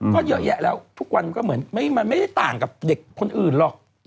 ก็เยอะแยะแล้วทุกวันก็เหมือนมันไม่ได้ต่างกับเด็กคนอื่นหรอก